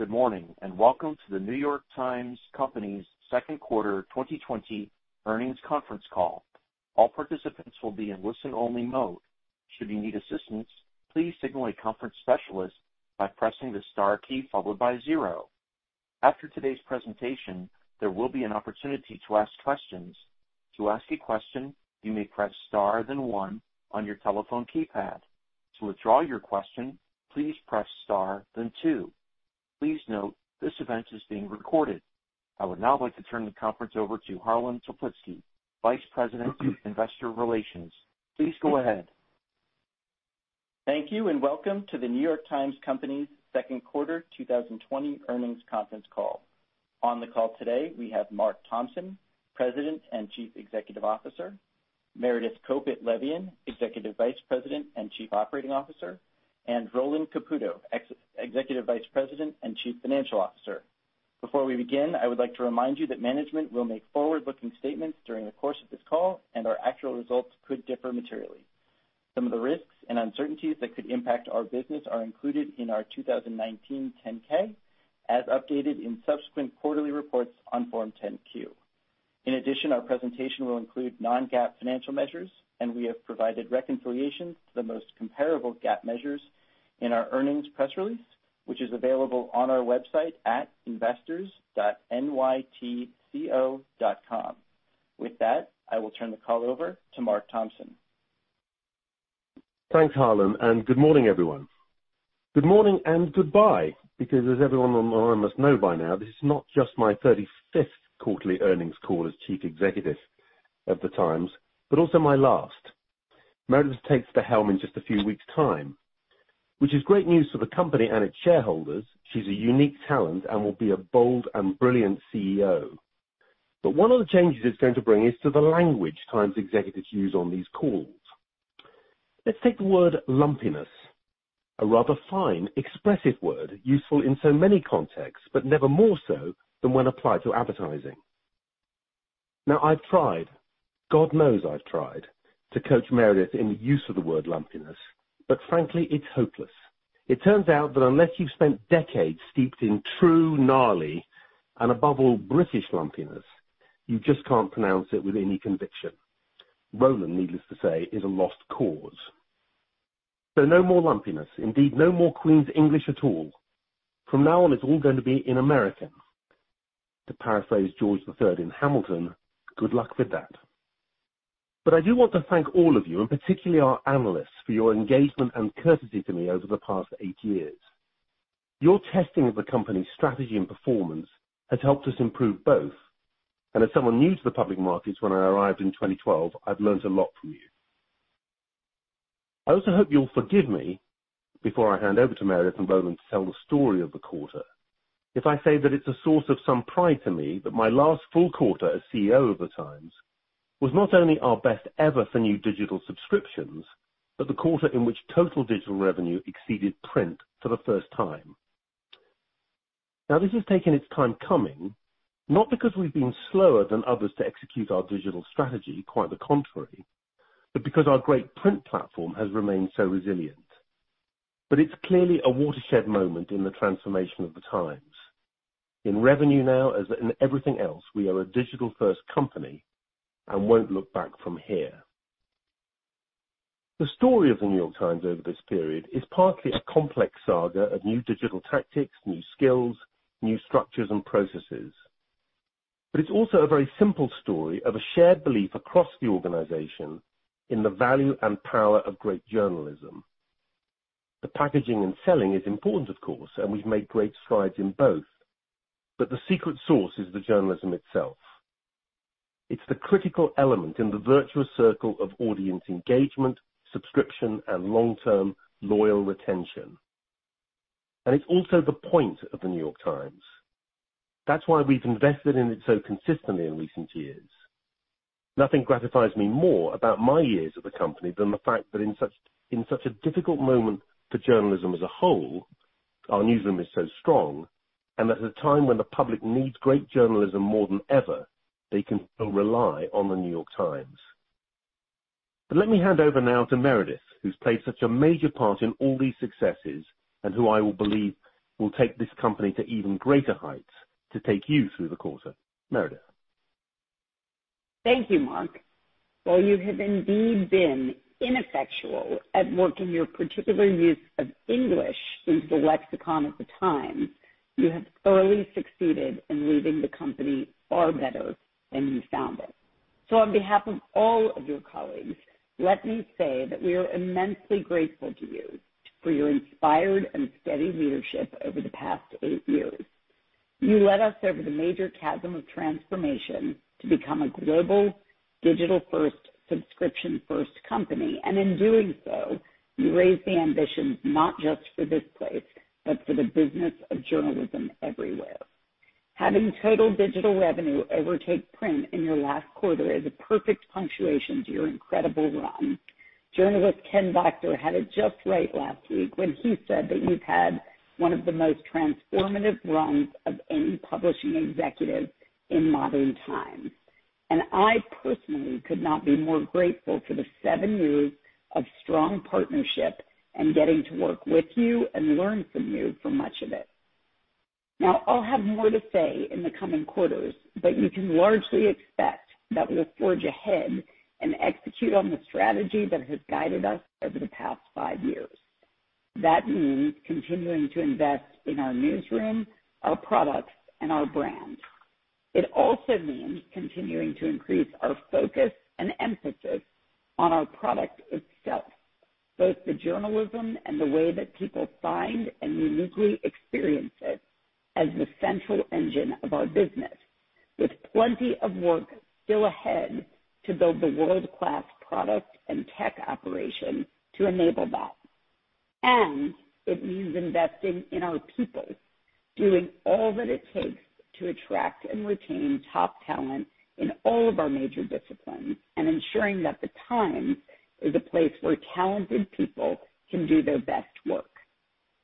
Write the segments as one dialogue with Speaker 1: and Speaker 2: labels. Speaker 1: Good morning and welcome to The New York Times Company's Second Quarter 2020 Earnings Conference Call. All participants will be in listen-only mode. Should you need assistance, please signal a conference specialist by pressing the star key followed by zero. After today's presentation, there will be an opportunity to ask questions. To ask a question, you may press star then one on your telephone keypad. To withdraw your question, please press star then two. Please note this event is being recorded. I would now like to turn the conference over to Harlan Toplitzky, Vice President, Investor Relations. Please go ahead.
Speaker 2: Thank you and welcome to the New York Times Company's Second Quarter 2020 Earnings Conference Call. On the call today, we have Mark Thompson, President and Chief Executive Officer, Meredith Kopit Levien, Executive Vice President and Chief Operating Officer, and Roland Caputo, Executive Vice President and Chief Financial Officer. Before we begin, I would like to remind you that management will make forward-looking statements during the course of this call, and our actual results could differ materially. Some of the risks and uncertainties that could impact our business are included in our 2019 10-K, as updated in subsequent quarterly reports on Form 10-Q. In addition, our presentation will include non-GAAP financial measures, and we have provided reconciliations to the most comparable GAAP measures in our earnings press release, which is available on our website at investors.nytco.com. With that, I will turn the call over to Mark Thompson.
Speaker 3: Thanks, Harlan, and good morning, everyone. Good morning and goodbye, because as everyone on the line must know by now, this is not just my 35th quarterly earnings call as Chief Executive of the Times, but also my last. Meredith takes the helm in just a few weeks' time, which is great news for the company and its shareholders. She's a unique talent and will be a bold and brilliant CEO. But one of the changes it's going to bring is to the language Times executives use on these calls. Let's take the word "lumpiness," a rather fine, expressive word useful in so many contexts, but never more so than when applied to advertising. Now, I've tried, God knows I've tried, to coach Meredith in the use of the word "lumpiness," but frankly, it's hopeless. It turns out that unless you've spent decades steeped in true gnarly and, above all, British lumpiness, you just can't pronounce it with any conviction. Roland, needless to say, is a lost cause. No more lumpiness. Indeed, no more Queen's English at all. From now on, it's all going to be in American. To paraphrase George III in Hamilton, good luck with that. I do want to thank all of you, and particularly our analysts, for your engagement and courtesy to me over the past eight years. Your testing of the company's strategy and performance has helped us improve both, and as someone new to the public markets when I arrived in 2012, I've learned a lot from you. I also hope you'll forgive me before I hand over to Meredith and Roland to tell the story of the quarter. If I say that it's a source of some pride to me that my last full quarter as CEO of the Times was not only our best ever for new digital subscriptions, but the quarter in which total digital revenue exceeded print for the first time. Now, this has taken its time coming, not because we've been slower than others to execute our digital strategy, quite the contrary, but because our great print platform has remained so resilient, but it's clearly a watershed moment in the transformation of the Times. In revenue now, as in everything else, we are a digital-first company and won't look back from here. The story of the New York Times over this period is partly a complex saga of new digital tactics, new skills, new structures, and processes. But it's also a very simple story of a shared belief across the organization in the value and power of great journalism. The packaging and selling is important, of course, and we've made great strides in both, but the secret sauce is the journalism itself. It's the critical element in the virtuous circle of audience engagement, subscription, and long-term loyal retention. And it's also the point of The New York Times. That's why we've invested in it so consistently in recent years. Nothing gratifies me more about my years at the company than the fact that in such a difficult moment for journalism as a whole, our newsroom is so strong, and that at a time when the public needs great journalism more than ever, they can still rely on The New York Times. But let me hand over now to Meredith, who's played such a major part in all these successes and who I will believe will take this company to even greater heights, to take you through the quarter. Meredith.
Speaker 4: Thank you, Mark. While you have indeed been ineffectual at working your particular use of English into the lexicon of the Times, you have thoroughly succeeded in leaving the company far better than you found it. So on behalf of all of your colleagues, let me say that we are immensely grateful to you for your inspired and steady leadership over the past eight years. You led us over the major chasm of transformation to become a global digital-first, subscription-first company, and in doing so, you raised the ambitions not just for this place, but for the business of journalism everywhere. Having total digital revenue overtake print in your last quarter is a perfect punctuation to your incredible run. Journalist Ken Doctor had it just right last week when he said that you've had one of the most transformative runs of any publishing executive in modern times. I personally could not be more grateful for the seven years of strong partnership and getting to work with you and learn from you for much of it. Now, I'll have more to say in the coming quarters, but you can largely expect that we'll forge ahead and execute on the strategy that has guided us over the past five years. That means continuing to invest in our newsroom, our products, and our brand. It also means continuing to increase our focus and emphasis on our product itself, both the journalism and the way that people find and uniquely experience it as the central engine of our business, with plenty of work still ahead to build the world-class product and tech operation to enable that. It means investing in our people, doing all that it takes to attract and retain top talent in all of our major disciplines, and ensuring that the Times is a place where talented people can do their best work.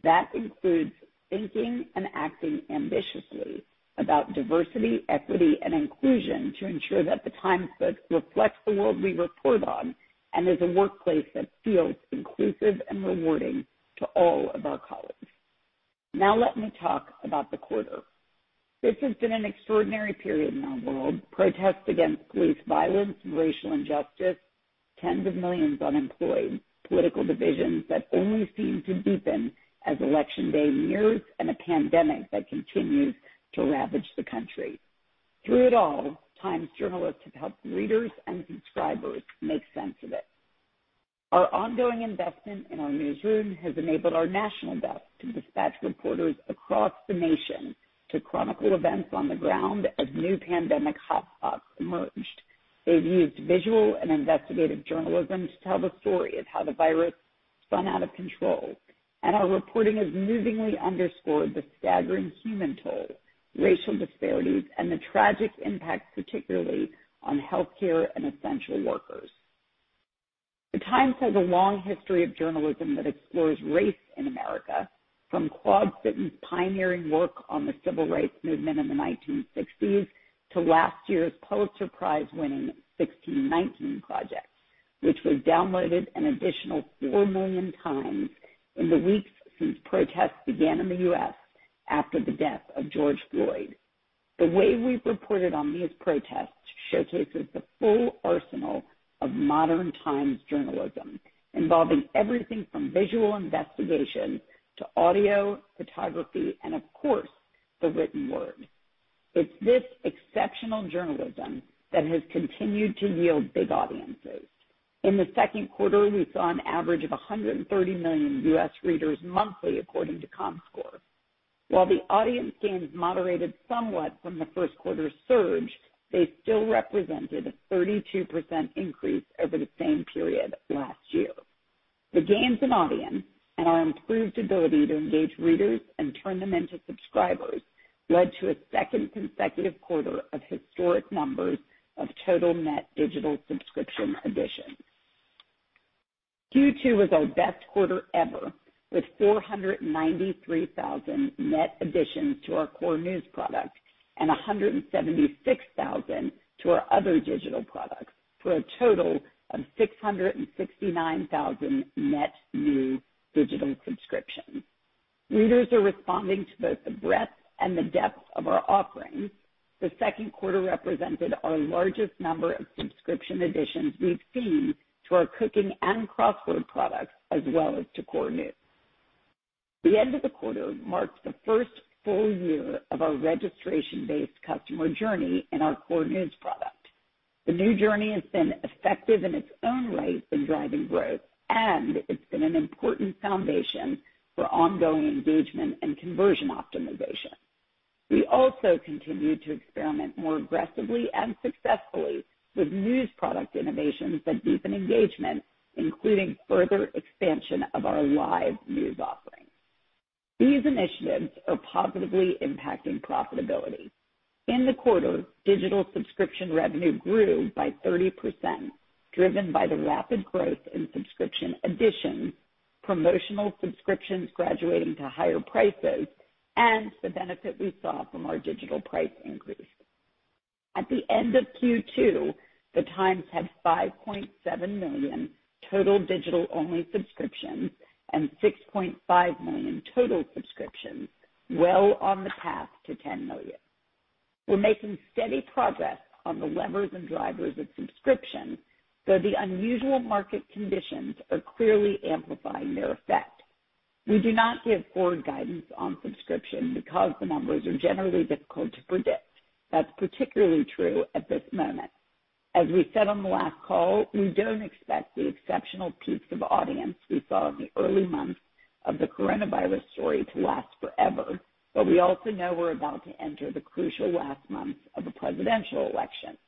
Speaker 4: That includes thinking and acting ambitiously about diversity, equity, and inclusion to ensure that the Times reflects the world we report on and is a workplace that feels inclusive and rewarding to all of our colleagues. Now, let me talk about the quarter. This has been an extraordinary period in our world: protests against police violence, racial injustice, tens of millions unemployed, political divisions that only seem to deepen as Election Day nears and a pandemic that continues to ravage the country. Through it all, Times journalists have helped readers and subscribers make sense of it. Our ongoing investment in our newsroom has enabled our national desk to dispatch reporters across the nation to chronicle events on the ground as new pandemic hotspots emerged. They've used visual and investigative journalism to tell the story of how the virus spun out of control, and our reporting has movingly underscored the staggering human toll, racial disparities, and the tragic impact, particularly on healthcare and essential workers. The Times has a long history of journalism that explores race in America, from Claude Sitton's pioneering work on the civil rights movement in the 1960s to last year's Pulitzer Prize-winning 1619 Project, which was downloaded an additional four million times in the weeks since protests began in the U.S. after the death of George Floyd. The way we've reported on these protests showcases the full arsenal of modern Times journalism, involving everything from visual investigation to audio, photography, and, of course, the written word. It's this exceptional journalism that has continued to yield big audiences. In the second quarter, we saw an average of 130 million U.S. readers monthly, according to Comscore. While the audience gains moderated somewhat from the first quarter's surge, they still represented a 32% increase over the same period last year. The gains in audience and our improved ability to engage readers and turn them into subscribers led to a second consecutive quarter of historic numbers of total net digital subscription additions. Q2 was our best quarter ever, with 493,000 net additions to our core news product and 176,000 to our other digital products, for a total of 669,000 net new digital subscriptions. Readers are responding to both the breadth and the depth of our offerings. The second quarter represented our largest number of subscription additions we've seen to our cooking and crossword products, as well as to core news. The end of the quarter marked the first full year of our registration-based customer journey in our core news product. The new journey has been effective in its own right in driving growth, and it's been an important foundation for ongoing engagement and conversion optimization. We also continue to experiment more aggressively and successfully with news product innovations that deepen engagement, including further expansion of our live news offering. These initiatives are positively impacting profitability. In the quarter, digital subscription revenue grew by 30%, driven by the rapid growth in subscription additions, promotional subscriptions graduating to higher prices, and the benefit we saw from our digital price increase. At the end of Q2, the Times had 5.7 million total digital-only subscriptions and 6.5 million total subscriptions, well on the path to 10 million. We're making steady progress on the levers and drivers of subscription, though the unusual market conditions are clearly amplifying their effect. We do not give forward guidance on subscription because the numbers are generally difficult to predict. That's particularly true at this moment. As we said on the last call, we don't expect the exceptional peaks of audience we saw in the early months of the coronavirus story to last forever, but we also know we're about to enter the crucial last months of a presidential election.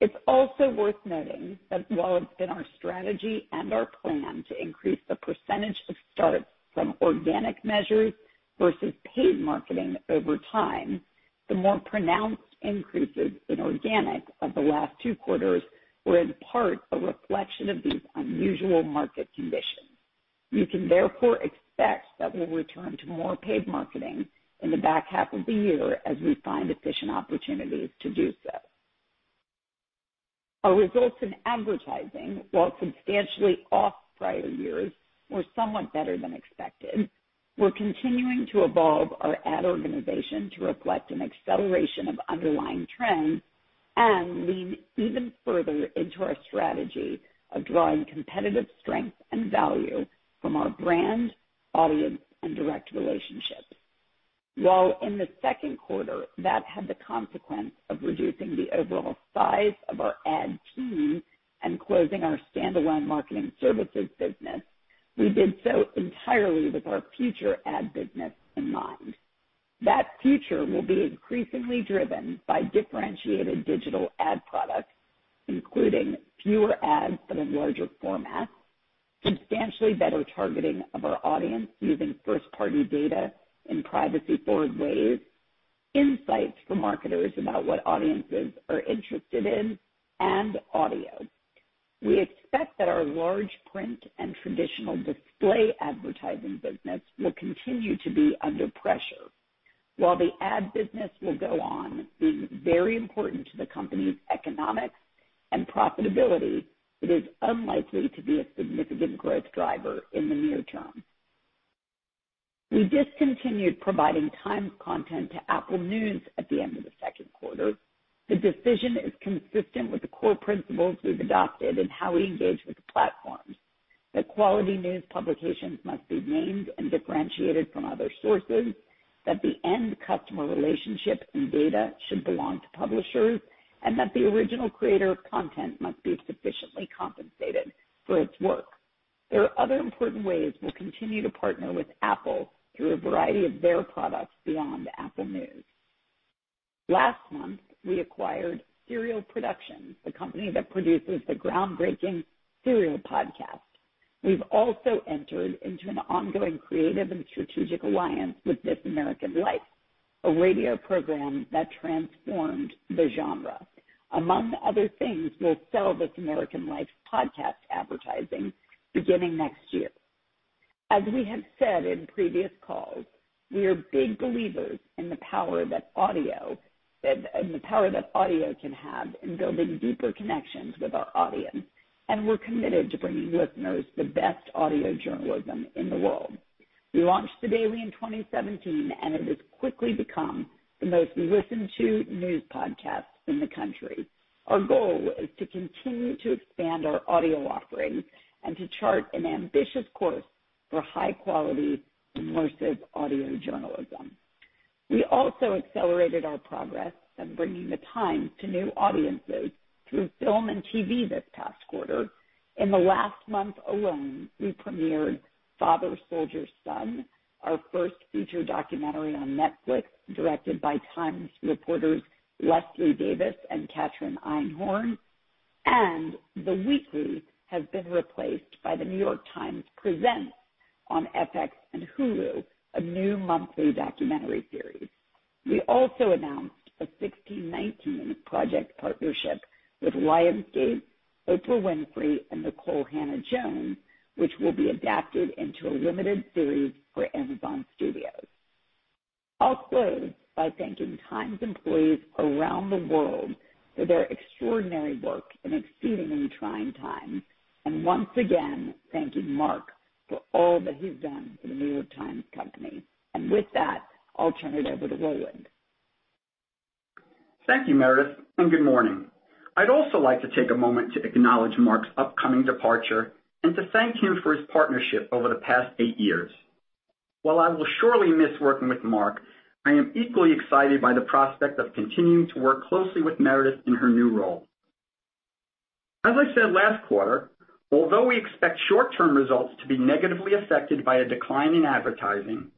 Speaker 4: It's also worth noting that while it's been our strategy and our plan to increase the percentage of starts from organic measures versus paid marketing over time, the more pronounced increases in organic of the last two quarters were in part a reflection of these unusual market conditions. You can therefore expect that we'll return to more paid marketing in the back half of the year as we find efficient opportunities to do so. Our results in advertising, while substantially off prior years, were somewhat better than expected. We're continuing to evolve our ad organization to reflect an acceleration of underlying trends and lean even further into our strategy of drawing competitive strength and value from our brand, audience, and direct relationships. While in the second quarter, that had the consequence of reducing the overall size of our ad team and closing our standalone marketing services business, we did so entirely with our future ad business in mind. That future will be increasingly driven by differentiated digital ad products, including fewer ads but in larger formats, substantially better targeting of our audience using first-party data in privacy-forward ways, insights for marketers about what audiences are interested in, and audio. We expect that our large print and traditional display advertising business will continue to be under pressure. While the ad business will go on being very important to the company's economics and profitability, it is unlikely to be a significant growth driver in the near term. We discontinued providing Times content to Apple News at the end of the second quarter. The decision is consistent with the core principles we've adopted in how we engage with the platforms: that quality news publications must be named and differentiated from other sources, that the end customer relationship and data should belong to publishers, and that the original creator of content must be sufficiently compensated for its work. There are other important ways we'll continue to partner with Apple through a variety of their products beyond Apple News. Last month, we acquired Serial Productions, the company that produces the groundbreaking Serial podcast. We've also entered into an ongoing creative and strategic alliance with This American Life, a radio program that transformed the genre. Among other things, we'll sell This American Life podcast advertising beginning next year. As we have said in previous calls, we are big believers in the power that audio can have in building deeper connections with our audience, and we're committed to bringing listeners the best audio journalism in the world. We launched The Daily in 2017, and it has quickly become the most listened-to news podcast in the country. Our goal is to continue to expand our audio offering and to chart an ambitious course for high-quality, immersive audio journalism. We also accelerated our progress in bringing The Times to new audiences through film and TV this past quarter. In the last month alone, we premiered Father Soldier Son, our first feature documentary on Netflix directed by Times reporters Leslye Davis and Catrin Einhorn, and The Weekly has been replaced by The New York Times Presents on FX and Hulu, a new monthly documentary series. We also announced a 1619 Project partnership with Lionsgate, Oprah Winfrey, and Nikole Hannah-Jones, which will be adapted into a limited series for Amazon Studios. I'll close by thanking Times employees around the world for their extraordinary work in exceedingly trying times, and once again, thanking Mark for all that he's done for The New York Times Company. And with that, I'll turn it over to Roland.
Speaker 5: Thank you, Meredith, and good morning. I'd also like to take a moment to acknowledge Mark's upcoming departure and to thank him for his partnership over the past eight years. While I will surely miss working with Mark, I am equally excited by the prospect of continuing to work closely with Meredith in her new role. As I said last quarter, although we expect short-term results to be negatively affected by a decline in advertising,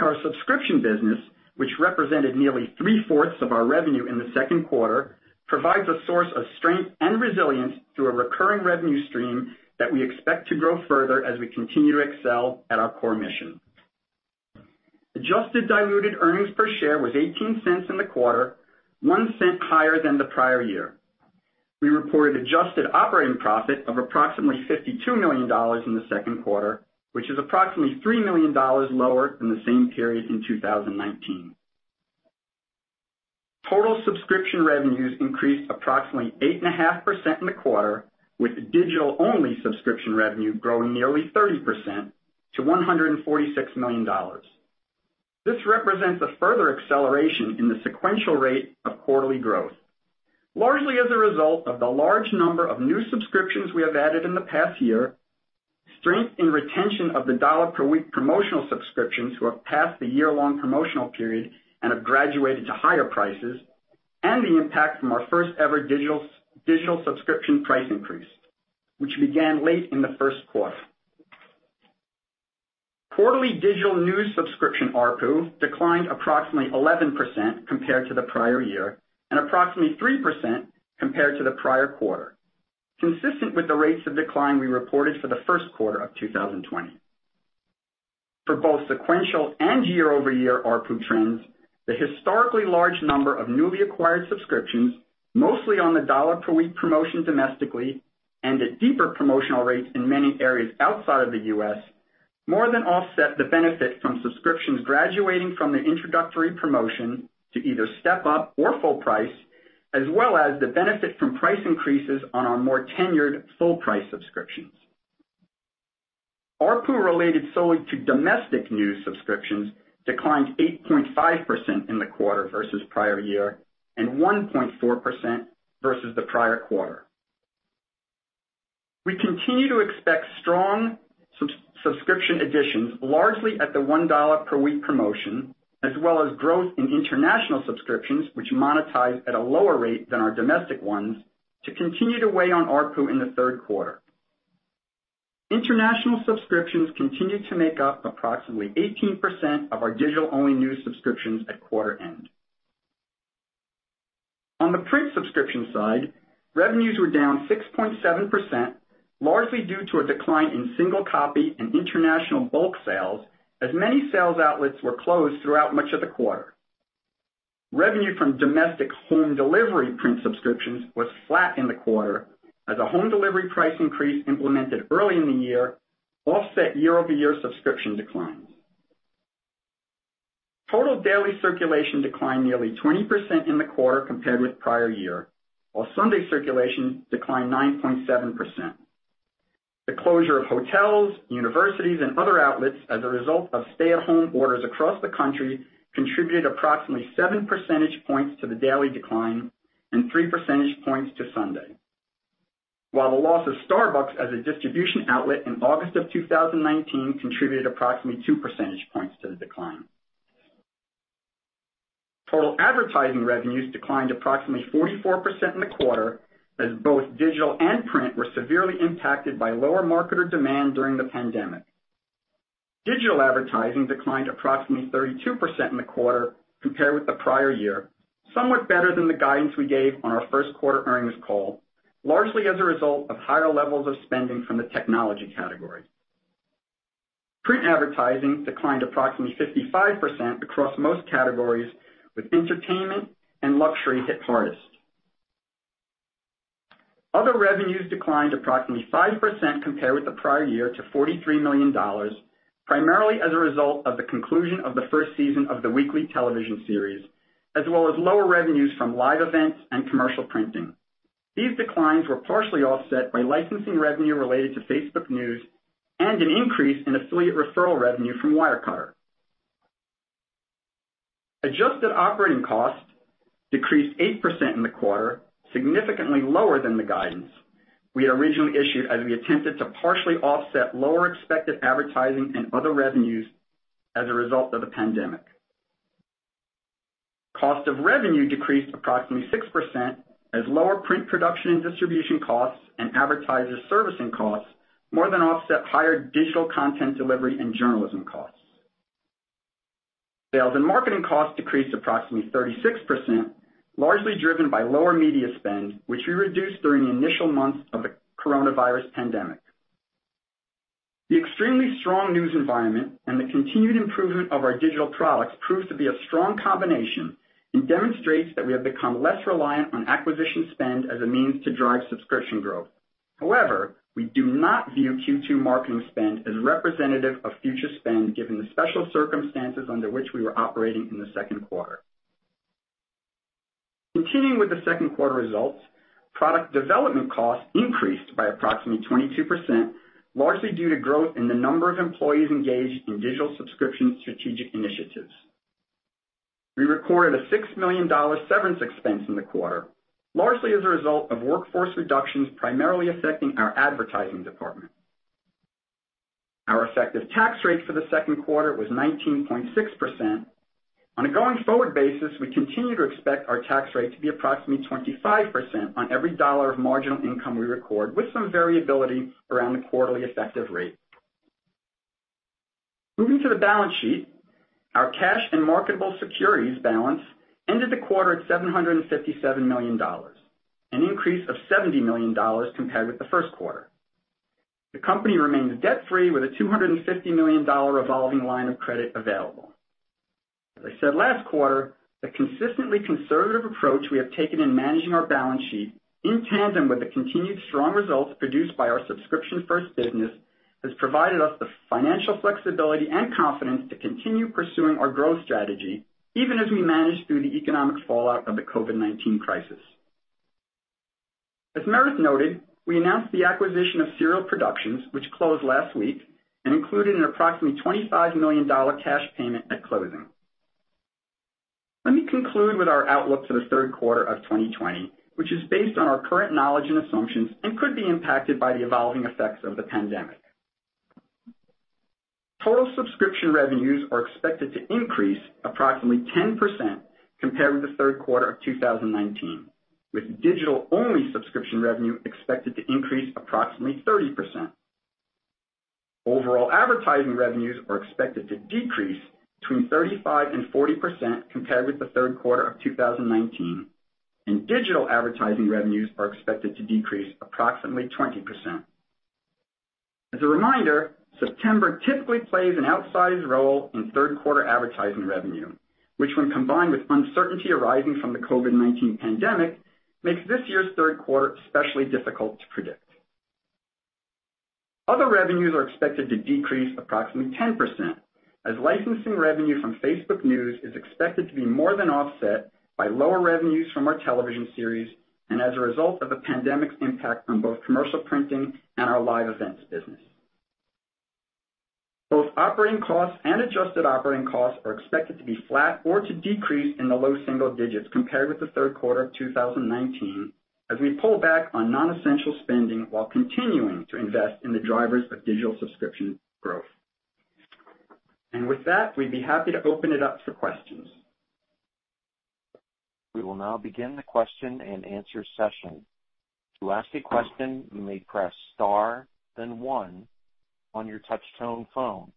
Speaker 5: our subscription business, which represented nearly three-fourths of our revenue in the second quarter, provides a source of strength and resilience through a recurring revenue stream that we expect to grow further as we continue to excel at our core mission. Adjusted diluted earnings per share was $0.18 in the quarter, $0.01 higher than the prior year. We reported adjusted operating profit of approximately $52 million in the second quarter, which is approximately $3 million lower than the same period in 2019. Total subscription revenues increased approximately 8.5% in the quarter, with digital-only subscription revenue growing nearly 30% to $146 million. This represents a further acceleration in the sequential rate of quarterly growth, largely as a result of the large number of new subscriptions we have added in the past year, strength in retention of the dollar-per-week promotional subscriptions who have passed the year-long promotional period and have graduated to higher prices, and the impact from our first-ever digital subscription price increase, which began late in the first quarter. Quarterly digital news subscription ARPU declined approximately 11% compared to the prior year and approximately 3% compared to the prior quarter, consistent with the rates of decline we reported for the first quarter of 2020. For both sequential and year-over-year ARPU trends, the historically large number of newly acquired subscriptions, mostly on the $1-per-week promotion domestically and at deeper promotional rates in many areas outside of the U.S., more than offset the benefit from subscriptions graduating from their introductory promotion to either step-up or full price, as well as the benefit from price increases on our more tenured full-price subscriptions. ARPU related solely to domestic news subscriptions declined 8.5% in the quarter versus prior year and 1.4% versus the prior quarter. We continue to expect strong subscription additions, largely at the $1 per week promotion, as well as growth in international subscriptions, which monetize at a lower rate than our domestic ones, to continue to weigh on ARPU in the third quarter. International subscriptions continue to make up approximately 18% of our digital-only news subscriptions at quarter end. On the print subscription side, revenues were down 6.7%, largely due to a decline in single-copy and international bulk sales, as many sales outlets were closed throughout much of the quarter. Revenue from domestic home delivery print subscriptions was flat in the quarter, as a home delivery price increase implemented early in the year offset year-over-year subscription declines. Total daily circulation declined nearly 20% in the quarter compared with prior year, while Sunday circulation declined 9.7%. The closure of hotels, universities, and other outlets as a result of stay-at-home orders across the country contributed approximately 7 percentage points to the daily decline and 3 percentage points to Sunday, while the loss of Starbucks as a distribution outlet in August of 2019 contributed approximately 2 percentage points to the decline. Total advertising revenues declined approximately 44% in the quarter, as both digital and print were severely impacted by lower marketer demand during the pandemic. Digital advertising declined approximately 32% in the quarter compared with the prior year, somewhat better than the guidance we gave on our first quarter earnings call, largely as a result of higher levels of spending from the technology category. Print advertising declined approximately 55% across most categories, with entertainment and luxury hit hardest. Other revenues declined approximately 5% compared with the prior year to $43 million, primarily as a result of the conclusion of the first season of The Weekly television series, as well as lower revenues from live events and commercial printing. These declines were partially offset by licensing revenue related to Facebook News and an increase in affiliate referral revenue from Wirecutter. Adjusted operating costs decreased 8% in the quarter, significantly lower than the guidance we had originally issued as we attempted to partially offset lower expected advertising and other revenues as a result of the pandemic. Cost of revenue decreased approximately 6%, as lower print production and distribution costs and advertiser servicing costs more than offset higher digital content delivery and journalism costs. Sales and marketing costs decreased approximately 36%, largely driven by lower media spend, which we reduced during the initial months of the coronavirus pandemic. The extremely strong news environment and the continued improvement of our digital products prove to be a strong combination and demonstrate that we have become less reliant on acquisition spend as a means to drive subscription growth. However, we do not view Q2 marketing spend as representative of future spend given the special circumstances under which we were operating in the second quarter. Continuing with the second quarter results, product development costs increased by approximately 22%, largely due to growth in the number of employees engaged in digital subscription strategic initiatives. We recorded a $6 million severance expense in the quarter, largely as a result of workforce reductions primarily affecting our advertising department. Our effective tax rate for the second quarter was 19.6%. On a going-forward basis, we continue to expect our tax rate to be approximately 25% on every dollar of marginal income we record, with some variability around the quarterly effective rate. Moving to the balance sheet, our cash and marketable securities balance ended the quarter at $757 million, an increase of $70 million compared with the first quarter. The company remains debt-free with a $250 million revolving line of credit available. As I said last quarter, the consistently conservative approach we have taken in managing our balance sheet, in tandem with the continued strong results produced by our subscription-first business, has provided us the financial flexibility and confidence to continue pursuing our growth strategy, even as we manage through the economic fallout of the COVID-19 crisis. As Meredith noted, we announced the acquisition of Serial Productions, which closed last week and included an approximately $25 million cash payment at closing. Let me conclude with our outlook for the third quarter of 2020, which is based on our current knowledge and assumptions and could be impacted by the evolving effects of the pandemic. Total subscription revenues are expected to increase approximately 10% compared with the third quarter of 2019, with digital-only subscription revenue expected to increase approximately 30%. Overall advertising revenues are expected to decrease between 35% and 40% compared with the third quarter of 2019, and digital advertising revenues are expected to decrease approximately 20%. As a reminder, September typically plays an outsized role in third-quarter advertising revenue, which, when combined with uncertainty arising from the COVID-19 pandemic, makes this year's third quarter especially difficult to predict. Other revenues are expected to decrease approximately 10%, as licensing revenue from Facebook News is expected to be more than offset by lower revenues from our television series and as a result of the pandemic's impact on both commercial printing and our live events business. Both operating costs and adjusted operating costs are expected to be flat or to decrease in the low single digits compared with the third quarter of 2019, as we pull back on nonessential spending while continuing to invest in the drivers of digital subscription growth. And with that, we'd be happy to open it up for questions.
Speaker 1: We will now begin the question and answer session. To ask a question, you may press star, then one, on your touch-tone phone.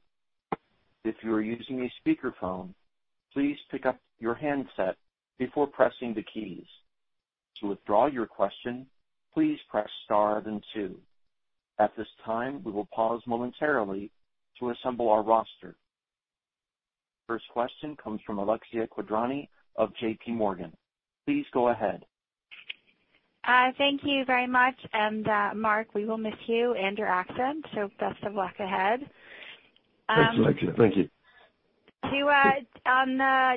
Speaker 1: If you are using a speakerphone, please pick up your handset before pressing the keys. To withdraw your question, please press star, then two. At this time, we will pause momentarily to assemble our roster. First question comes from Alexia Quadrani of JPMorgan. Please go ahead.
Speaker 6: Thank you very much. And Mark, we will miss you and your accent, so best of luck ahead.
Speaker 3: Thank you. Thank you.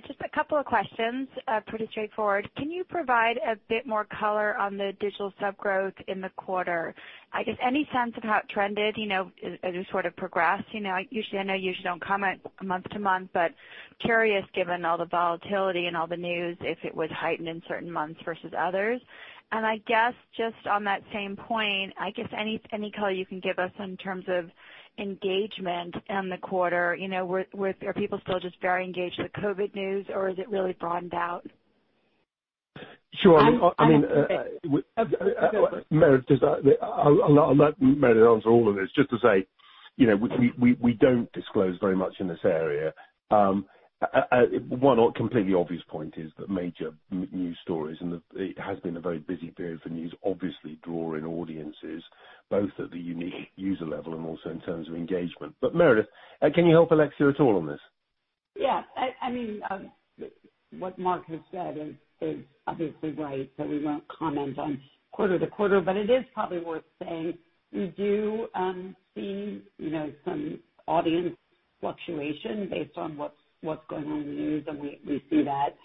Speaker 6: Just a couple of questions, pretty straightforward. Can you provide a bit more color on the digital subgrowth in the quarter? I guess, any sense of how it trended, as it sort of progressed? Usually, I know you just don't comment month to month, but curious, given all the volatility and all the news, if it was heightened in certain months versus others. And I guess, just on that same point, I guess, any color you can give us in terms of engagement in the quarter. Are people still just very engaged with COVID news, or is it really broadened out?
Speaker 3: Sure. I mean, Meredith, I'll let Meredith answer all of this. Just to say, we don't disclose very much in this area. One completely obvious point is the major news stories, and it has been a very busy period for news, obviously drawing audiences, both at the unique user level and also in terms of engagement. But Meredith, can you help Alexia at all on this?
Speaker 4: Yeah. I mean, what Mark has said is obviously right, so we won't comment on quarter to quarter, but it is probably worth saying we do see some audience fluctuation based on what's going on in the news, and we see that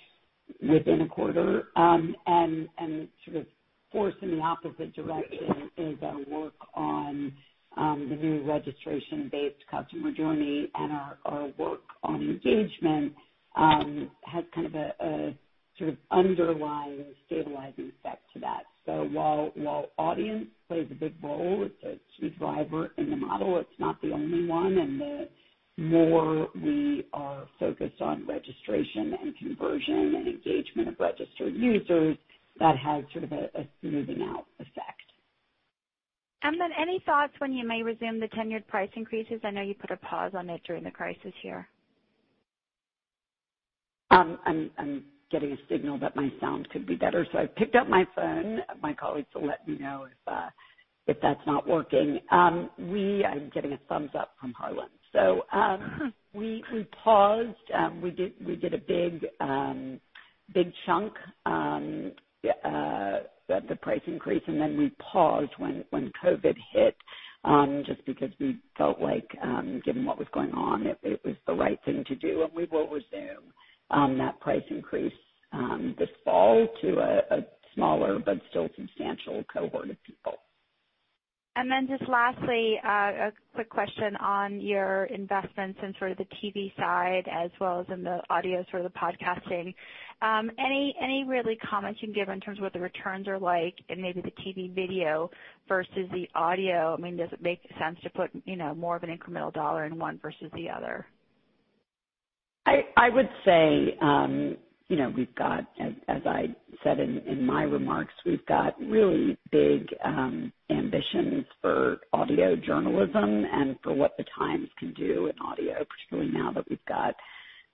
Speaker 4: within a quarter, and sort of force in the opposite direction is our work on the new registration-based customer journey, and our work on engagement has kind of a sort of underlying stabilizing effect to that, so while audience plays a big role, it's a key driver in the model. It's not the only one, and the more we are focused on registration and conversion and engagement of registered users, that has sort of a smoothing-out effect,
Speaker 6: and then any thoughts when you may resume the tiered price increases? I know you put a pause on it during the crisis here.
Speaker 4: I'm getting a signal that my sound could be better, so I've picked up my phone. My colleagues will let me know if that's not working. I'm getting a thumbs-up from Harlan. So we paused. We did a big chunk of the price increase, and then we paused when COVID hit just because we felt like, given what was going on, it was the right thing to do, and we will resume that price increase this fall to a smaller but still substantial cohort of people.
Speaker 6: And then just lastly, a quick question on your investments in sort of the TV side as well as in the audio for the podcasting. Any really comments you can give in terms of what the returns are like in maybe the TV video versus the audio? I mean, does it make sense to put more of an incremental dollar in one versus the other?
Speaker 4: I would say we've got, as I said in my remarks, we've got really big ambitions for audio journalism and for what The Times can do in audio, particularly now that we've got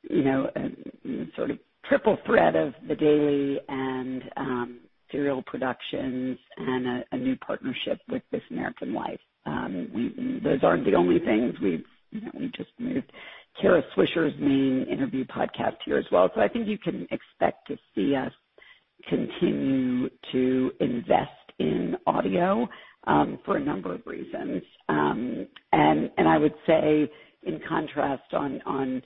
Speaker 4: the sort of triple threat of The Daily and Serial Productions and a new partnership with This American Life. Those aren't the only things. We've just moved Kara Swisher's main interview podcast here as well. So I think you can expect to see us continue to invest in audio for a number of reasons. And I would say, in contrast on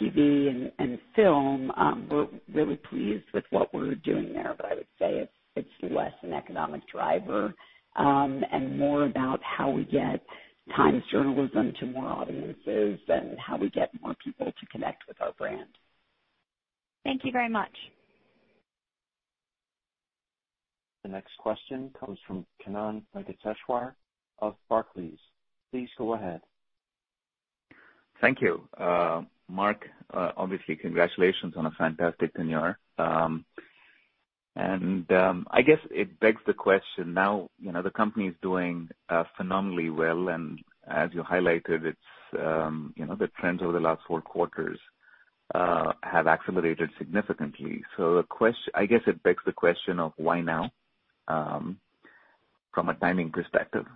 Speaker 4: TV and film, we're really pleased with what we're doing there, but I would say it's less an economic driver and more about how we get Times journalism to more audiences and how we get more people to connect with our brand.
Speaker 6: Thank you very much.
Speaker 1: The next question comes from Kannan Venkateshwar of Barclays. Please go ahead.
Speaker 7: Thank you. Mark, obviously, congratulations on a fantastic tenure. And I guess it begs the question now, the company is doing phenomenally well, and as you highlighted, the trends over the last four quarters have accelerated significantly. So I guess it begs the question of why now from a timing perspective?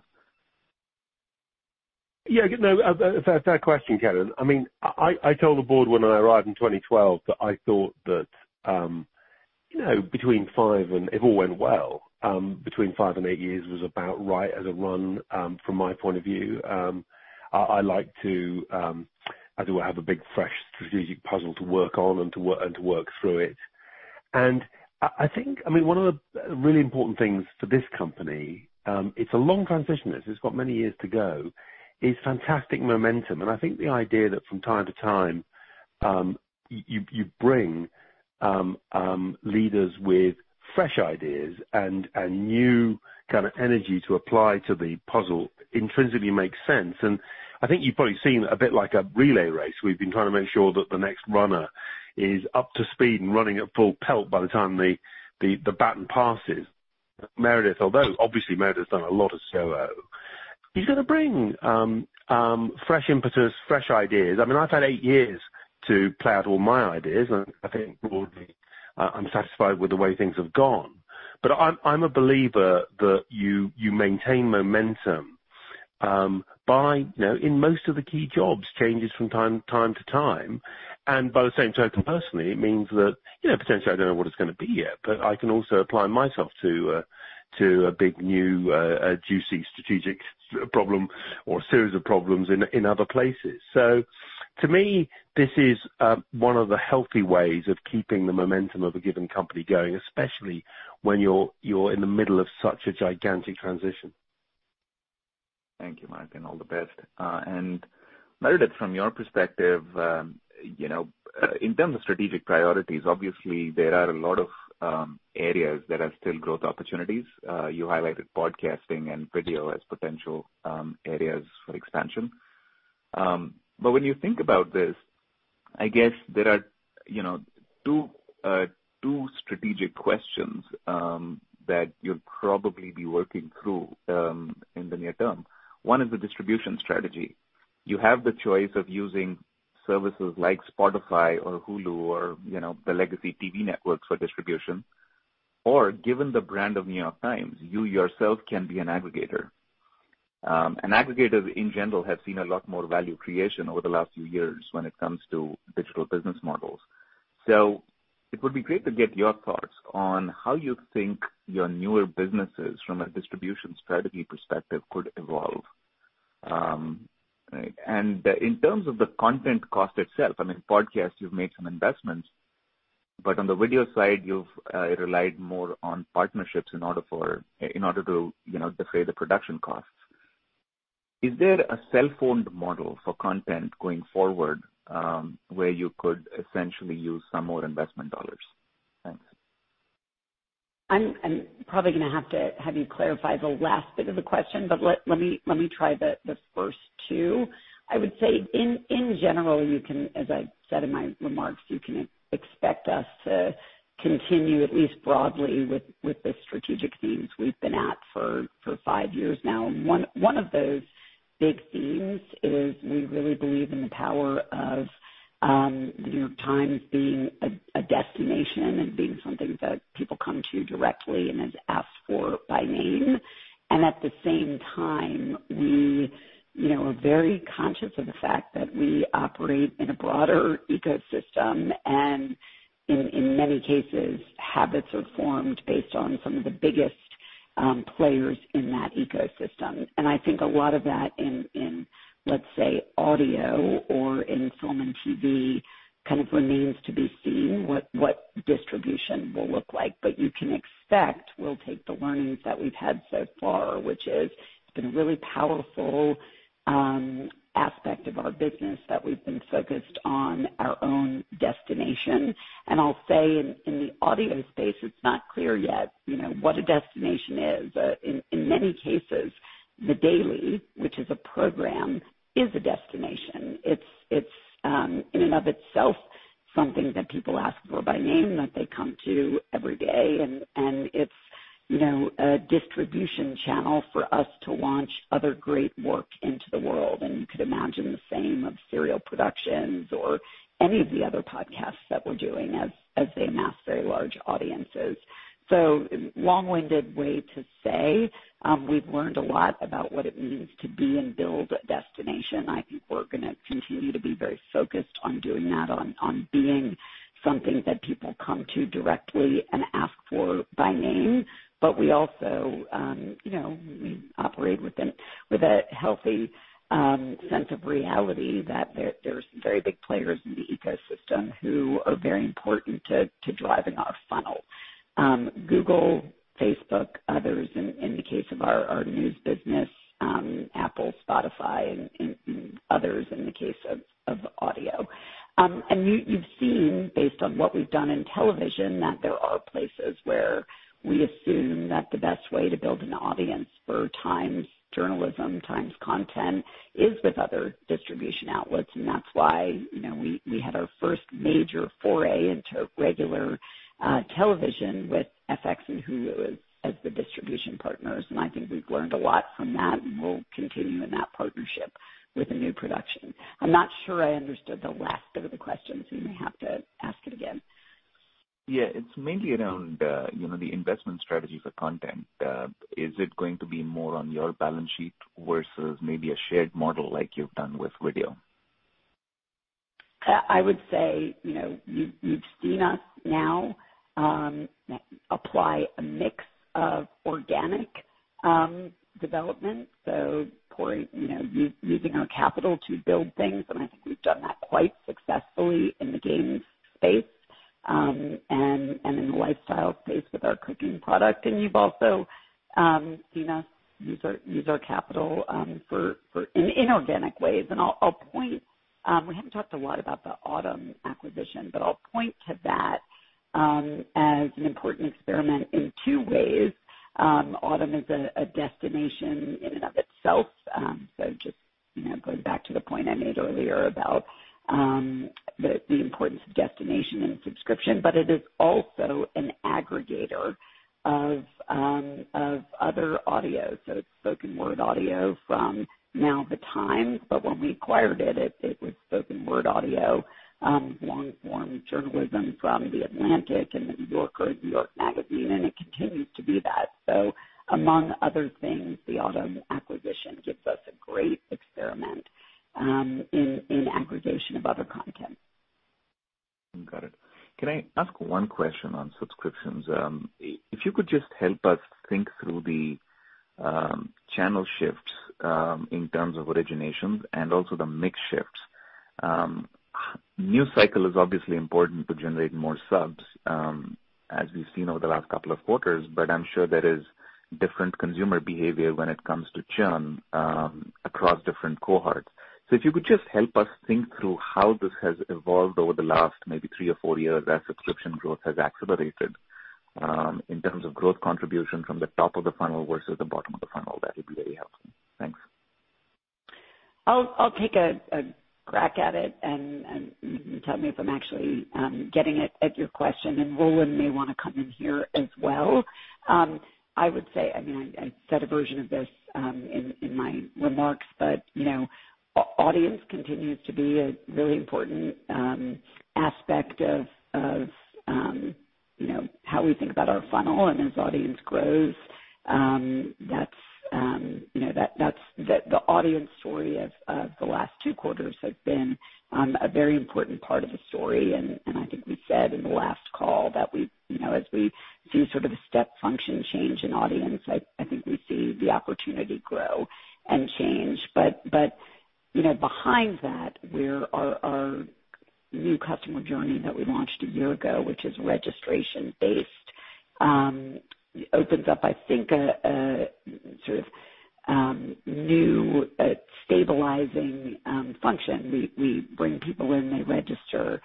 Speaker 3: Yeah. That's a fair question, Ken. I mean, I told the board when I arrived in 2012 that I thought that between five and if all went well, between five and eight years was about right as a run from my point of view. I like to, as it were, have a big fresh strategic puzzle to work on and to work through it. And I think, I mean, one of the really important things for this company, it's a long transition. It's got many years to go, is fantastic momentum. And I think the idea that from time to time you bring leaders with fresh ideas and new kind of energy to apply to the puzzle intrinsically makes sense. And I think you've probably seen a bit like a relay race. We've been trying to make sure that the next runner is up to speed and running at full pelt by the time the baton passes. Meredith, although obviously Meredith has done a lot of COO, he's going to bring fresh impetus, fresh ideas. I mean, I've had eight years to play out all my ideas, and I think broadly I'm satisfied with the way things have gone, but I'm a believer that you maintain momentum in most of the key jobs changes from time to time, and by the same token, personally, it means that potentially I don't know what it's going to be yet, but I can also apply myself to a big new juicy strategic problem or a series of problems in other places. To me, this is one of the healthy ways of keeping the momentum of a given company going, especially when you're in the middle of such a gigantic transition.
Speaker 7: Thank you, Mike. All the best. Meredith, from your perspective, in terms of strategic priorities, obviously there are a lot of areas that are still growth opportunities. You highlighted podcasting and video as potential areas for expansion. When you think about this, I guess there are two strategic questions that you'll probably be working through in the near term. One is the distribution strategy. You have the choice of using services like Spotify or Hulu or the legacy TV networks for distribution. Given the brand of The New York Times, you yourself can be an aggregator. Aggregators, in general, have seen a lot more value creation over the last few years when it comes to digital business models. It would be great to get your thoughts on how you think your newer businesses from a distribution strategy perspective could evolve. In terms of the content cost itself, I mean, podcast, you've made some investments, but on the video side, you've relied more on partnerships in order to defray the production costs. Is there a central model for content going forward where you could essentially use some more investment dollars? Thanks.
Speaker 4: I'm probably going to have to have you clarify the last bit of the question, but let me try the first two. I would say, in general, as I said in my remarks, you can expect us to continue at least broadly with the strategic themes we've been at for five years now. One of those big themes is we really believe in the power of The New York Times being a destination and being something that people come to directly and is asked for by name. And at the same time, we are very conscious of the fact that we operate in a broader ecosystem, and in many cases, habits are formed based on some of the biggest players in that ecosystem. And I think a lot of that in, let's say, audio or in film and TV kind of remains to be seen what distribution will look like. But you can expect we'll take the learnings that we've had so far, which is it's been a really powerful aspect of our business that we've been focused on our own destination. And I'll say in the audio space, it's not clear yet what a destination is. In many cases, The Daily, which is a program, is a destination. It's, in and of itself, something that people ask for by name that they come to every day. And it's a distribution channel for us to launch other great work into the world. And you could imagine the same of Serial Productions or any of the other podcasts that we're doing as they amass very large audiences. So long-winded way to say, we've learned a lot about what it means to be and build a destination. I think we're going to continue to be very focused on doing that, on being something that people come to directly and ask for by name. But we also operate with a healthy sense of reality that there are some very big players in the ecosystem who are very important to driving our funnel: Google, Facebook, others in the case of our news business, Apple, Spotify, and others in the case of audio. And you've seen, based on what we've done in television, that there are places where we assume that the best way to build an audience for Times journalism, Times content is with other distribution outlets. And that's why we had our first major foray into regular television with FX and Hulu as the distribution partners. And I think we've learned a lot from that, and we'll continue in that partnership with a new production. I'm not sure I understood the last bit of the question, so you may have to ask it again.
Speaker 7: Yeah. It's mainly around the investment strategy for content. Is it going to be more on your balance sheet versus maybe a shared model like you've done with video?
Speaker 4: I would say you've seen us now apply a mix of organic development, so using our capital to build things. And I think we've done that quite successfully in the games space and in the lifestyle space with our cooking product. And you've also seen us use our capital in inorganic ways. And I'll point. We haven't talked a lot about the Audm acquisition, but I'll point to that as an important experiment in two ways. Audm is a destination in and of itself. So just going back to the point I made earlier about the importance of destination and subscription, but it is also an aggregator of other audio. So it's spoken word audio from now The Times, but when we acquired it, it was spoken word audio, long-form journalism from The Atlantic and The New Yorker and New York Magazine, and it continues to be that. So among other things, the Audm acquisition gives us a great experiment in aggregation of other content.
Speaker 7: Got it. Can I ask one question on subscriptions? If you could just help us think through the channel shifts in terms of originations and also the mix shifts. News cycle is obviously important to generate more subs as we've seen over the last couple of quarters, but I'm sure there is different consumer behavior when it comes to churn across different cohorts. So if you could just help us think through how this has evolved over the last maybe three or four years as subscription growth has accelerated in terms of growth contribution from the top of the funnel versus the bottom of the funnel, that would be very helpful. Thanks.
Speaker 4: I'll take a crack at it and tell me if I'm actually getting at your question. And Roland may want to come in here as well. I would say, I mean, I said a version of this in my remarks, but audience continues to be a really important aspect of how we think about our funnel. And as audience grows, that's the audience story of the last two quarters has been a very important part of the story. I think we said in the last call that as we see sort of a step function change in audience, I think we see the opportunity grow and change. Behind that, our new customer journey that we launched a year ago, which is registration-based, opens up, I think, a sort of new stabilizing function. We bring people in, they register.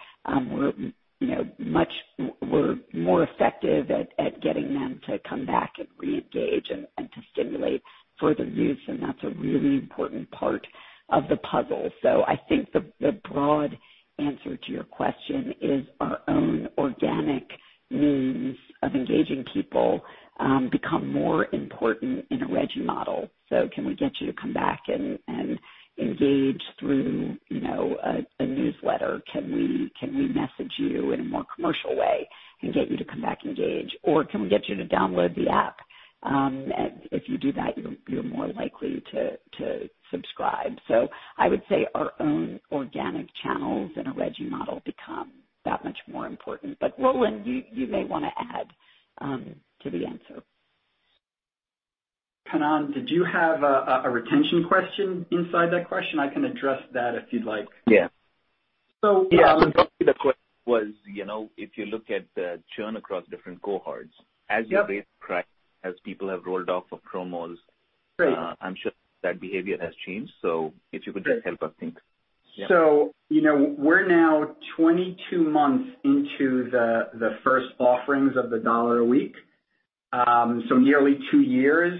Speaker 4: We're more effective at getting them to come back and reengage and to stimulate further use. And that's a really important part of the puzzle. I think the broad answer to your question is our own organic means of engaging people become more important in a regime model. Can we get you to come back and engage through a newsletter? Can we message you in a more commercial way and get you to come back and engage? Or can we get you to download the app? If you do that, you're more likely to subscribe. So I would say our own organic channels and a reengagement model become that much more important. But Roland, you may want to add to the answer.
Speaker 5: Kannan, did you have a retention question inside that question? I can address that if you'd like. Yeah.
Speaker 7: So the question was, if you look at the churn across different cohorts, as you raise price, as people have rolled off of promos, I'm sure that behavior has changed. So if you could just help us think.
Speaker 5: So we're now 22 months into the first offerings of the $1 a week, so nearly two years.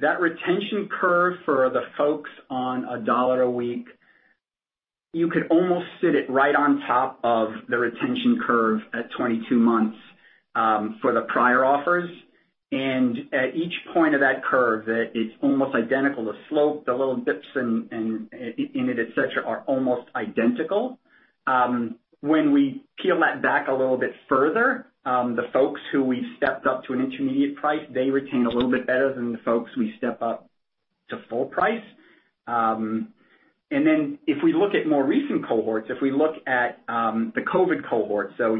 Speaker 5: That retention curve for the folks on a $1 a week, you could almost sit it right on top of the retention curve at 22 months for the prior offers. And at each point of that curve, it's almost identical. The slope, the little dips in it, etc., are almost identical. When we peel that back a little bit further, the folks who we've stepped up to an intermediate price, they retain a little bit better than the folks we step up to full price. And then if we look at more recent cohorts, if we look at the COVID cohort, so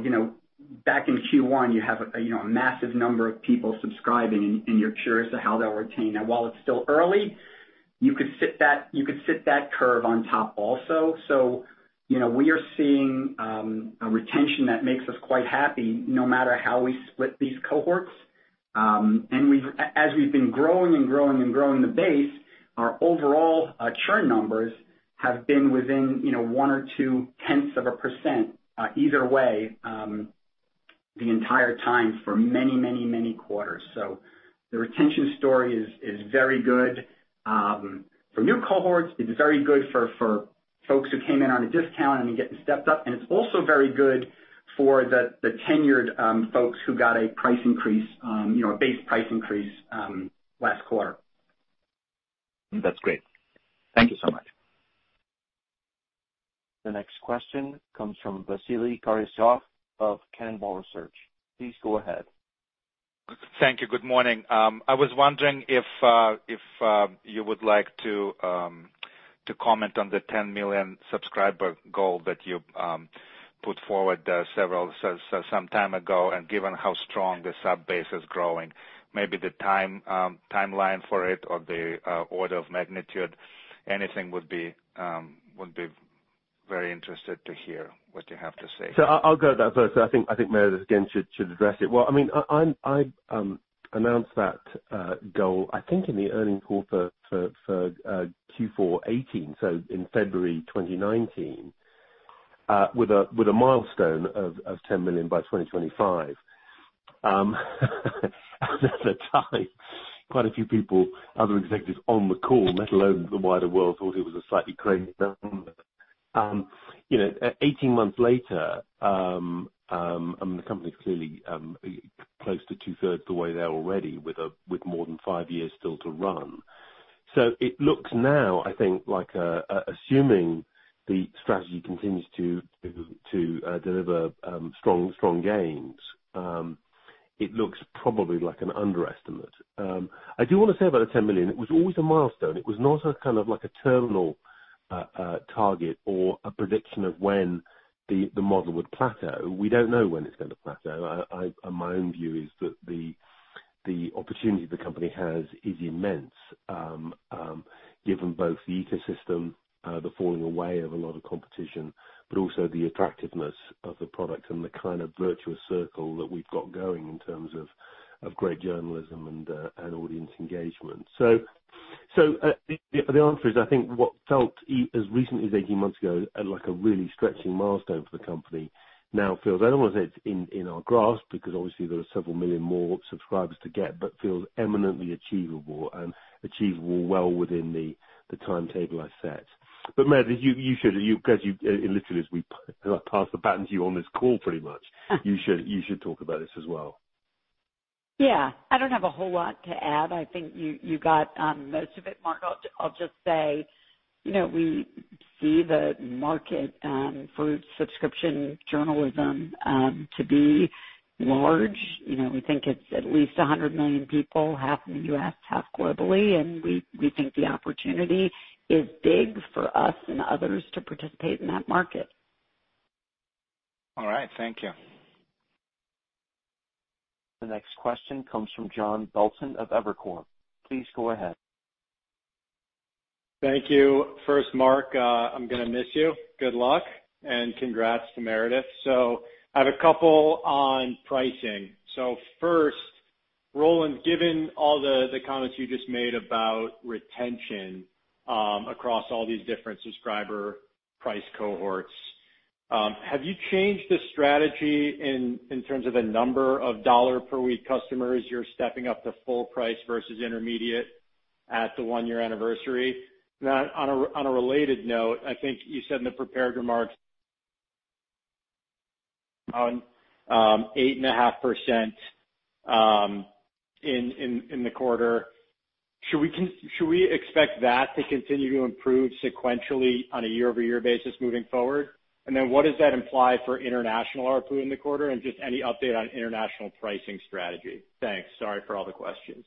Speaker 5: back in Q1, you have a massive number of people subscribing, and you're curious to how they'll retain. And while it's still early, you could sit that curve on top also. So we are seeing a retention that makes us quite happy no matter how we split these cohorts. And as we've been growing and growing and growing the base, our overall churn numbers have been within one or two tenths of a % either way the entire time for many, many, many quarters. So the retention story is very good for new cohorts. It's very good for folks who came in on a discount and are getting stepped up. And it's also very good for the tenured folks who got a price increase, a base price increase last quarter.
Speaker 7: That's great. Thank you so much.
Speaker 1: The next question comes from Vasily Karasyov of Cannonball Research. Please go ahead.
Speaker 8: Thank you. Good morning. I was wondering if you would like to comment on the 10 million subscriber goal that you put forward some time ago. And given how strong the subbase is growing, maybe the timeline for it or the order of magnitude, anything would be very interested to hear what you have to say.
Speaker 3: So I'll go that first. I think Meredith again should address it. I mean, I announced that goal, I think, in the earnings call for Q4 2018, so in February 2019, with a milestone of 10 million by 2025. At the time, quite a few people, other executives on the call, let alone the wider world, thought it was a slightly crazy number. 18 months later, I mean, the company's clearly close to two-thirds the way there already with more than five years still to run. It looks now, I think, like assuming the strategy continues to deliver strong gains, it looks probably like an underestimate. I do want to say about the 10 million, it was always a milestone. It was not kind of like a terminal target or a prediction of when the model would plateau. We don't know when it's going to plateau. My own view is that the opportunity the company has is immense, given both the ecosystem, the falling away of a lot of competition, but also the attractiveness of the product and the kind of virtuous circle that we've got going in terms of great journalism and audience engagement. So the answer is, I think what felt as recently as 18 months ago like a really stretching milestone for the company now feels, I don't want to say it's in our grasp because obviously there are several million more subscribers to get, but feels eminently achievable and achievable well within the timetable I set. But Meredith, you should, as you literally as we pass the baton to you on this call, pretty much, you should talk about this as well.
Speaker 4: Yeah. I don't have a whole lot to add. I think you got most of it, Mark. I'll just say we see the market for subscription journalism to be large. We think it's at least 100 million people, half in the U.S., half globally. And we think the opportunity is big for us and others to participate in that market.
Speaker 8: All right. Thank you.
Speaker 1: The next question comes from John Belton of Evercore. Please go ahead.
Speaker 9: Thank you. First, Mark, I'm going to miss you. Good luck. And congrats to Meredith. So I have a couple on pricing. So first, Roland, given all the comments you just made about retention across all these different subscriber price cohorts, have you changed the strategy in terms of the number of dollar-per-week customers you're stepping up to full price versus intermediate at the one-year anniversary? Now, on a related note, I think you said in the prepared remarks on 8.5% in the quarter. Should we expect that to continue to improve sequentially on a year-over-year basis moving forward? And then what does that imply for international ARPU in the quarter and just any update on international pricing strategy? Thanks. Sorry for all the questions.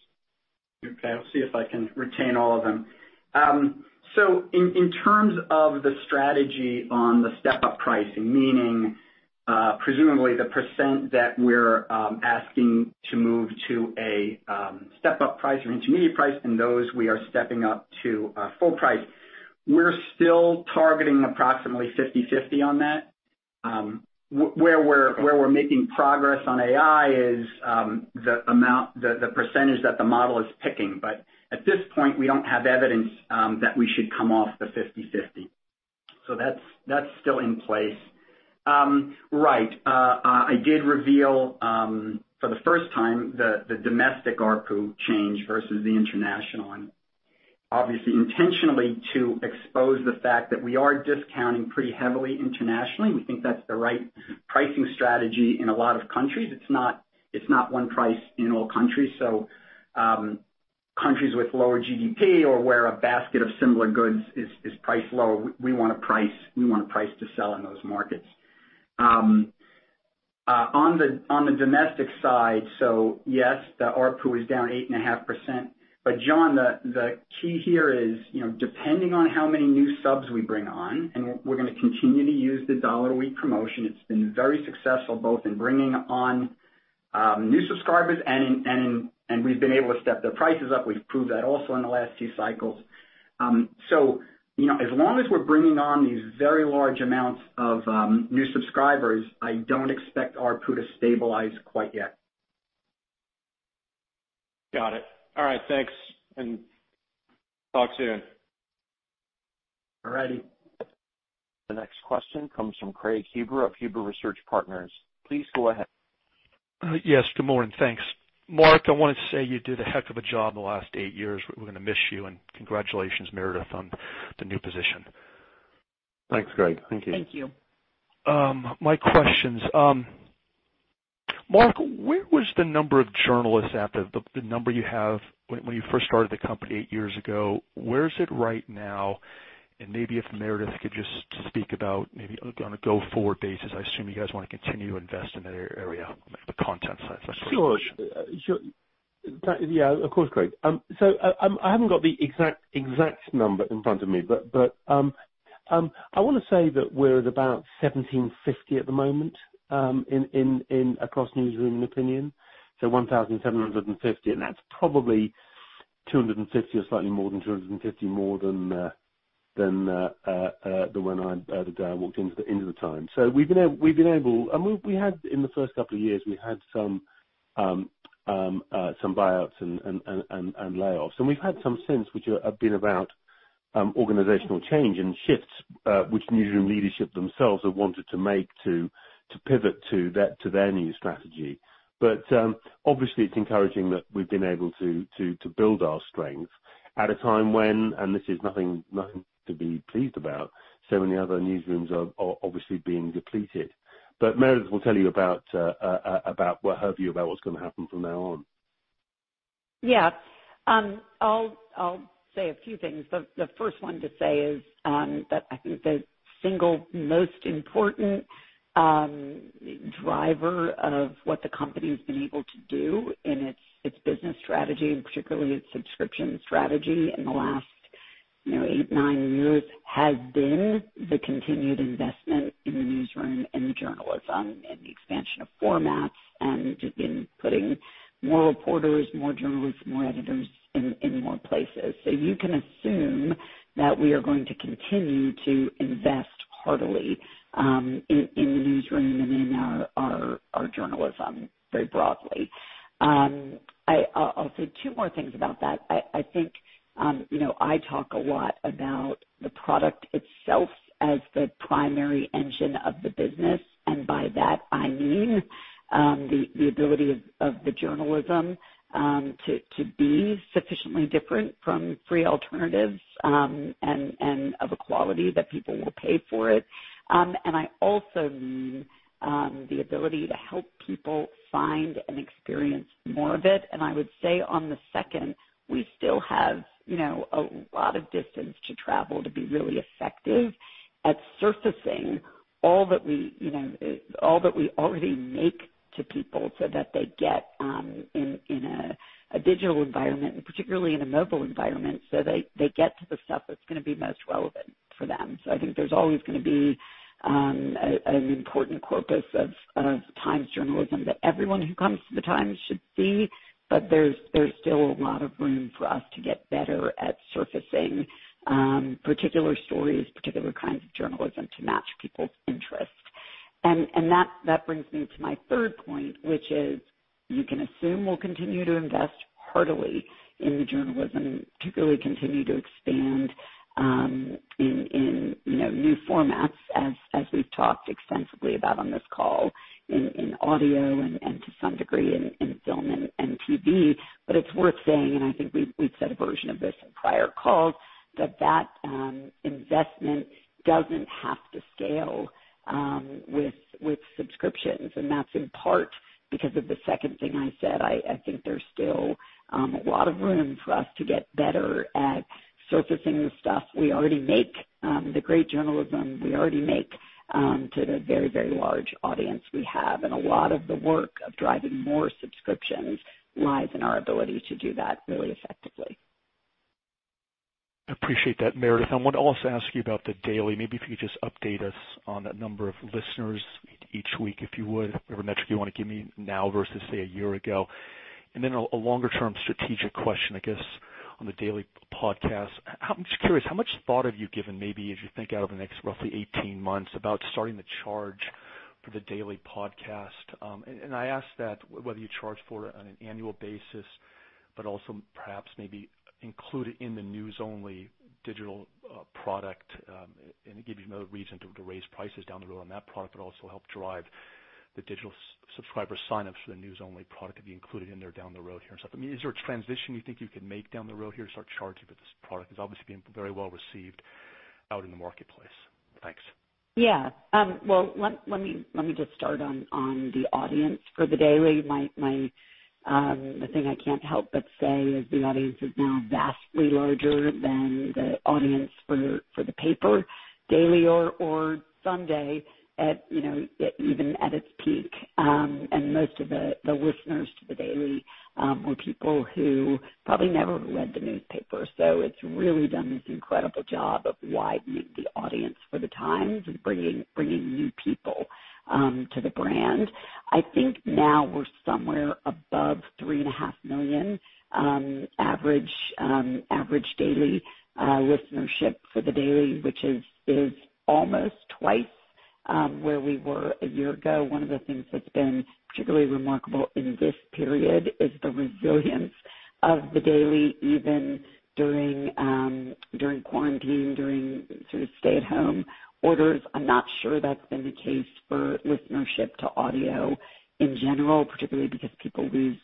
Speaker 5: Okay. I'll see if I can retain all of them. So in terms of the strategy on the step-up pricing, meaning presumably the percent that we're asking to move to a step-up price or intermediate price, and those we are stepping up to full price, we're still targeting approximately 50/50 on that. Where we're making progress on AI is the percentage that the model is picking. But at this point, we don't have evidence that we should come off the 50/50. So that's still in place. Right. I did reveal for the first time the domestic ARPU change versus the international. Obviously, intentionally to expose the fact that we are discounting pretty heavily internationally. We think that's the right pricing strategy in a lot of countries. It's not one price in all countries. Countries with lower GDP or where a basket of similar goods is priced low, we want a price to sell in those markets. On the domestic side, yes, the ARPU is down 8.5%. But John, the key here is depending on how many new subs we bring on, and we're going to continue to use the $1-a-week promotion. It's been very successful both in bringing on new subscribers, and we've been able to step their prices up. We've proved that also in the last two cycles. As long as we're bringing on these very large amounts of new subscribers, I don't expect ARPU to stabilize quite yet.
Speaker 9: Got it. All right. Thanks. And talk soon.
Speaker 5: All righty.
Speaker 1: The next question comes from Craig Huber of Huber Research Partners. Please go ahead.
Speaker 10: Yes. Good morning. Thanks. Mark, I wanted to say you did a heck of a job the last eight years. We're going to miss you. And congratulations, Meredith, on the new position.
Speaker 3: Thanks, Craig. Thank you.
Speaker 4: Thank you.
Speaker 10: My questions. Mark, where was the number of journalists at the number you have when you first started the company eight years ago? Where is it right now? And maybe if Meredith could just speak about maybe on a go-forward basis, I assume you guys want to continue to invest in that area, the content side.
Speaker 3: Yeah. Of course, Craig. So I haven't got the exact number in front of me, but I want to say that we're at about 1,750 at the moment across newsroom opinion. So 1,750. That's probably 250 or slightly more than 250 more than the one I walked into the time. So we've been able, and we had in the first couple of years, we had some buyouts and layoffs. And we've had some since, which have been about organizational change and shifts which newsroom leadership themselves have wanted to make to pivot to their new strategy. But obviously, it's encouraging that we've been able to build our strength at a time when, and this is nothing to be pleased about, so many other newsrooms are obviously being depleted. But Meredith will tell you about what her view about what's going to happen from now on. Yeah. I'll say a few things.
Speaker 4: The first one to say is that I think the single most important driver of what the company has been able to do in its business strategy, and particularly its subscription strategy in the last eight, nine years, has been the continued investment in the newsroom and the journalism and the expansion of formats and in putting more reporters, more journalists, more editors in more places. So you can assume that we are going to continue to invest heartily in the newsroom and in our journalism very broadly. I'll say two more things about that. I think I talk a lot about the product itself as the primary engine of the business, and by that, I mean the ability of the journalism to be sufficiently different from free alternatives and of a quality that people will pay for it. And I also mean the ability to help people find and experience more of it. And I would say on the second, we still have a lot of distance to travel to be really effective at surfacing all that we already make to people so that they get in a digital environment, and particularly in a mobile environment, so they get to the stuff that's going to be most relevant for them. So I think there's always going to be an important corpus of Times journalism that everyone who comes to the Times should see. But there's still a lot of room for us to get better at surfacing particular stories, particular kinds of journalism to match people's interests. That brings me to my third point, which is you can assume we'll continue to invest heartily in the journalism, particularly continue to expand in new formats as we've talked extensively about on this call in audio and to some degree in film and TV. But it's worth saying, and I think we've said a version of this in prior calls, that that investment doesn't have to scale with subscriptions. And that's in part because of the second thing I said. I think there's still a lot of room for us to get better at surfacing the stuff we already make, the great journalism we already make to the very, very large audience we have. And a lot of the work of driving more subscriptions lies in our ability to do that really effectively.
Speaker 10: I appreciate that, Meredith. I want to also ask you about The Daily. Maybe if you could just update us on the number of listeners each week, if you would, whatever metric you want to give me now versus, say, a year ago. Then a longer-term strategic question, I guess, on The Daily podcast. I'm just curious, how much thought have you given maybe, as you think about the next roughly 18 months about starting to charge for The Daily podcast? And I ask that whether you charge for it on an annual basis, but also perhaps maybe include it in the news-only digital product and give you another reason to raise prices down the road on that product, but also help drive the digital subscriber sign-ups for the news-only product to be included in there down the road here and stuff. I mean, is there a transition you think you could make down the road here to start charging for this product? It's obviously been very well received out in the marketplace. Thanks.
Speaker 4: Yeah, well, let me just start on the audience for The Daily. The thing I can't help but say is the audience is now vastly larger than the audience for the paper, daily or Sunday, even at its peak, and most of the listeners to The Daily were people who probably never read the newspaper, so it's really done this incredible job of widening the audience for the Times and bringing new people to the brand. I think now we're somewhere above 3.5 million average daily listenership for The Daily, which is almost twice where we were a year ago. One of the things that's been particularly remarkable in this period is the resilience of The Daily even during quarantine, during sort of stay-at-home orders. I'm not sure that's been the case for listenership to audio in general, particularly because people lose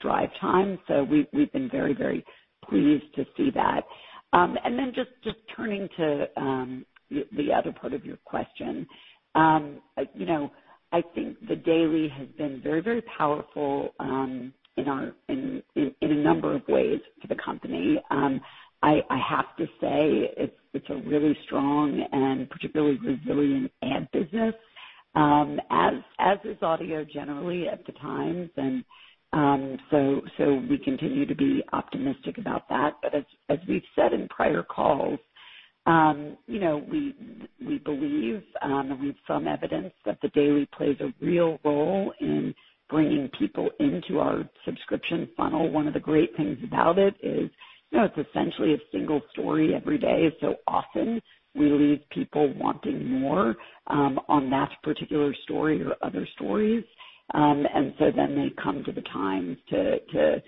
Speaker 4: drive time. So we've been very, very pleased to see that. And then just turning to the other part of your question, I think The Daily has been very, very powerful in a number of ways for the company. I have to say it's a really strong and particularly resilient ad business, as is audio generally at the Times. And so we continue to be optimistic about that. But as we've said in prior calls, we believe and we have some evidence that The Daily plays a real role in bringing people into our subscription funnel. One of the great things about it is it's essentially a single story every day. So often we leave people wanting more on that particular story or other stories. And so then they come to the Times to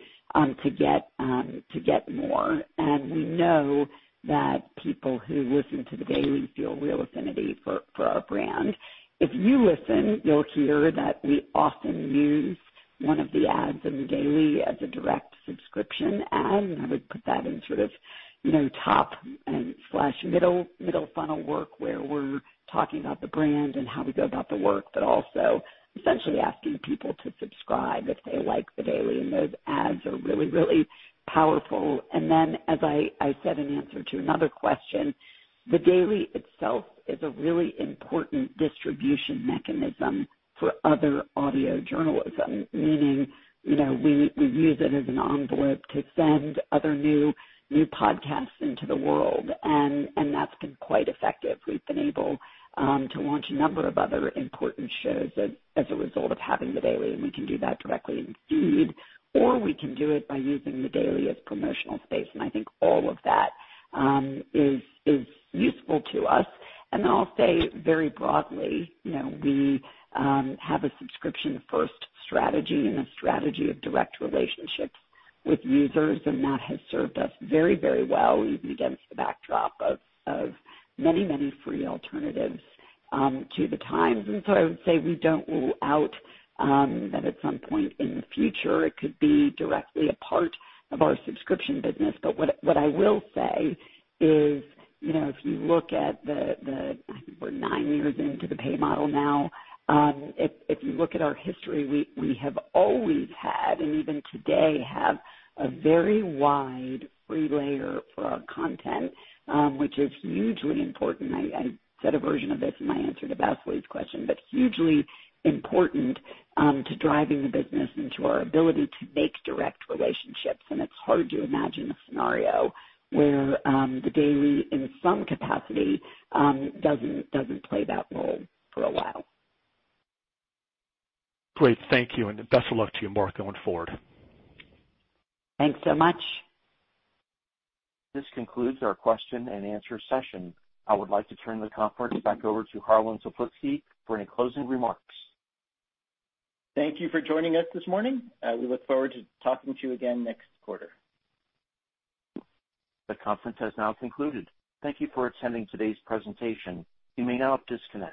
Speaker 4: get more. And we know that people who listen to the Daily feel real affinity for our brand. If you listen, you'll hear that we often use one of the ads in the Daily as a direct subscription ad. And I would put that in sort of top/middle funnel work where we're talking about the brand and how we go about the work, but also essentially asking people to subscribe if they like the Daily. And those ads are really, really powerful. And then, as I said in answer to another question, The Daily itself is a really important distribution mechanism for other audio journalism, meaning we use it as an envelope to send other new podcasts into the world. And that's been quite effective. We've been able to launch a number of other important shows as a result of having The Daily. And we can do that directly in feed, or we can do it by using The Daily as promotional space. And I think all of that is useful to us. And I'll say very broadly, we have a subscription-first strategy and a strategy of direct relationships with users. And that has served us very, very well even against the backdrop of many, many free alternatives to the Times. And so I would say we don't rule out that at some point in the future it could be directly a part of our subscription business. But what I will say is if you look at the, I think we're nine years into the pay model now. If you look at our history, we have always had, and even today have a very wide free layer for our content, which is hugely important. I said a version of this in my answer to Vasily's question, but hugely important to driving the business and to our ability to make direct relationships. And it's hard to imagine a scenario where The Daily, in some capacity, doesn't play that role for a while.
Speaker 10: Great. Thank you. And best of luck to you, Mark, going forward.
Speaker 4: Thanks so much.
Speaker 1: This concludes our question and answer session.
Speaker 4: I would like to turn the conference back over to Harlan Toplitzky for any closing remarks.
Speaker 2: Thank you for joining us this morning. We look forward to talking to you again next quarter.
Speaker 1: The conference has now concluded. Thank you for attending today's presentation. You may now disconnect.